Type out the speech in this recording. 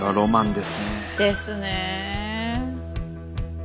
ですね。